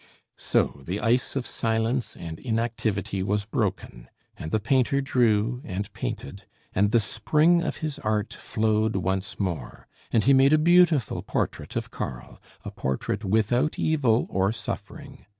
So the ice of silence and inactivity was broken, and the painter drew and painted; and the spring of his art flowed once more; and he made a beautiful portrait of Karl a portrait without evil or suffering.